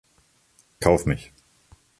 Kauf mich!